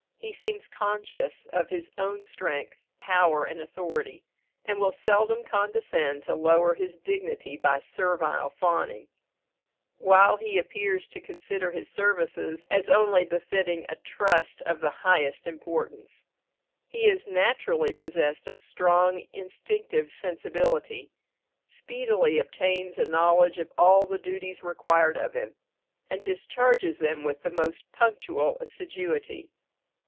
He seems conscious of his own strength, power, and authority, and will seldom condescend to lower his dignity by servile fawning; while he appears to consider his services as only befitting a trust of the highest importance. He is naturally possessed of strong instinctive sensibility, speedily obtains a knowledge of all the duties required of him, and discharges them with the most punctual assiduity.